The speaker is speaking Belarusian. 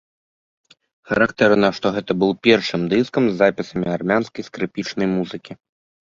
Характэрна, што гэта быў першым дыскам з запісамі армянскай скрыпічнай музыкі.